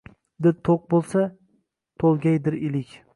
Dil to’q bo’lsa – to’lgaydir ilik.